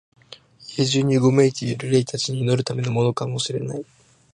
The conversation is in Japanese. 家中にうごめいている霊たちに祈るためのものかも知れない、